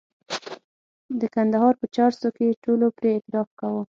د کندهار په چارسو کې ټولو پرې اعتراف کاوه.